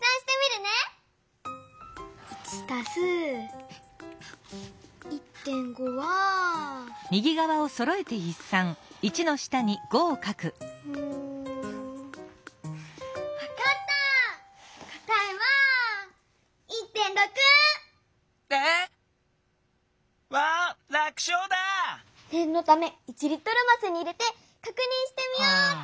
ねんのため１リットルますに入れてかくにんしてみようっと！